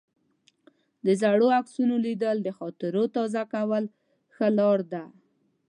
د زړو عکسونو لیدل د خاطرو تازه کولو ښه لار ده.